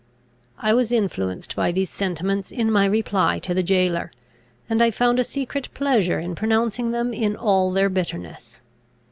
I was influenced by these sentiments in my reply to the jailor; and I found a secret pleasure in pronouncing them in all their bitterness.